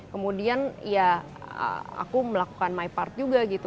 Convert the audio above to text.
kemudian ya aku melakukan my part juga gitu